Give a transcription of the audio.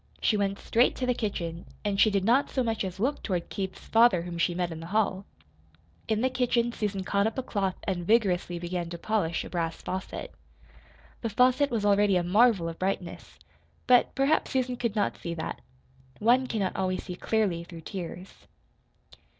She went straight to the kitchen, and she did not so much as look toward Keith's father whom she met in the hall. In the kitchen Susan caught up a cloth and vigorously began to polish a brass faucet. The faucet was already a marvel of brightness; but perhaps Susan could not see that. One cannot always see clearly through tears.